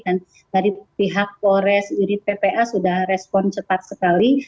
dan dari pihak polres yurid ppa sudah respon cepat sekali